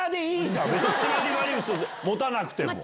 持たなくても。